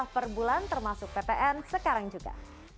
per bulan termasuk ppn sekarang juga